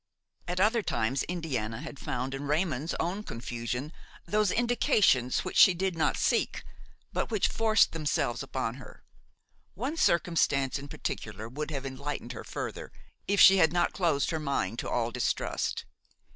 At other times Indiana had found in Raymon's own confusion those indications which she did not seek, but which forced themselves upon her. One circumstance in particular would have enlightened her further, if she had not closed her mind to all distrust.